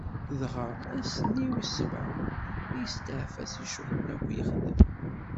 Dɣa, ass-nni wis sebɛa, isteɛfa si ccɣwel akk yexdem.